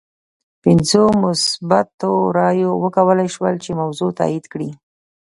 پنځو مثبتو رایو وکولای شول چې موضوع تایید کړي.